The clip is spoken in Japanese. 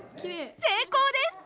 成功です！